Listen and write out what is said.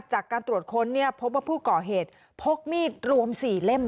จากการตรวจค้นเนี่ยพบว่าผู้ก่อเหตุพกมีดรวม๔เล่ม